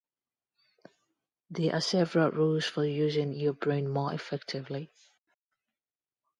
There are several rules for using your brain more effectively.